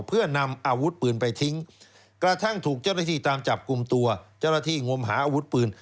เพื่อนำอาวุธปืนไปทิ้งกระทั่งถูกจรภิตามจับกลุ่มตัวจรภิงงวมหาอาวุธปืน